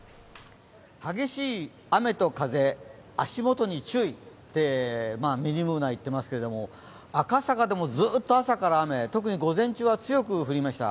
激しい雨と風、足元に注意ってミニＢｏｏｎａが言っていますけど、赤坂でもずっと朝から雨、特に午前中は強く降りました。